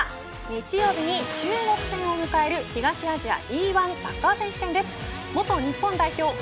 続いては日曜日に中国戦を迎える東アジアＥ‐１サッカー選手権です。